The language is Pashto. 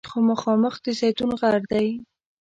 خو مخامخ د زیتون غر دی.